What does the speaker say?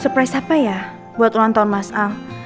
supres apa ya buat ulang tahun mas aang